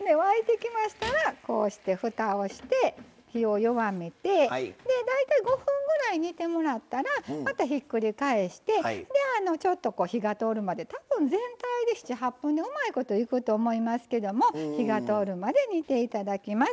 沸いてきましたらこうしてふたをして火を弱めて大体５分ぐらい煮てもらったらまたひっくり返してちょっと火が通るまでたぶん全体で７８分でうまいこといくと思いますけども火が通るまで煮ていただきます。